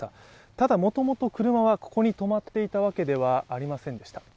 ただもともと車はここに止まっていたわけではありませんでした。